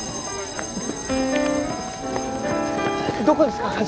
どこですか？